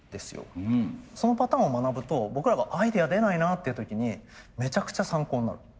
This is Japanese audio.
そのパターンを学ぶと僕らがアイデア出ないなっていう時にめちゃくちゃ参考になる。